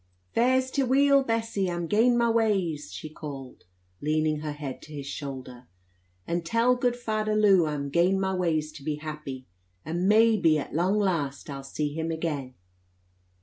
"Fares te weel, Bessie, I'm gain my ways," she called, leaning her head to his shoulder; "and tell gud Fadder Lew I'm gain my ways to be happy, and may be, at lang last, I'll see him again."